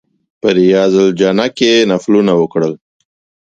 په ریاض الجنه کې نفلونه وکړل.